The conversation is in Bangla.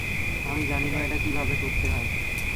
আমি জানি না এটা কিভাবে করতে হয়।